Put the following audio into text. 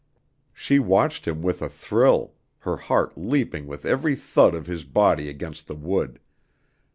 She watched him with a thrill her heart leaping with every thud of his body against the wood.